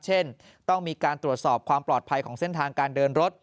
เช่นต้องมีการตรวจสอบความปลอดภัยของเส้นทางการเดินรถ